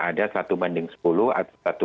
ada satu banding sepuluh atau satu